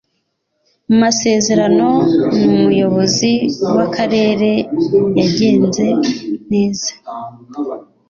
amasezerano n umuyobozi w akarere yagenze neza